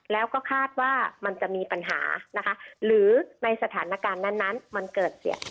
แล้วก็คาดว่ามันจะมีปัญหานะคะหรือในสถานการณ์นั้นมันเกิดเสีย